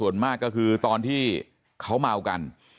ทำก็คือตอนที่เขาเหมากัน